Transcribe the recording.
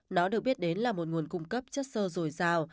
nó được biết đến là một nguồn cung cấp chất sơ dồi dào